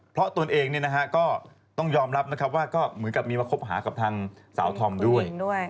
เพราะตนเองก็ต้องยอมรับนะครับว่าก็เหมือนกับมีมาคบหากับทางสาวธอมด้วย